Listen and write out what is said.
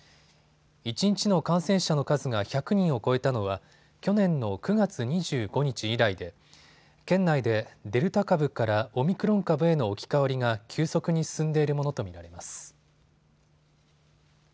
一日の感染者の数が１００人を超えたのは去年の９月２５日以来で県内でデルタ株からオミクロン株への置き換わりが急速に進んでいるものと見られます。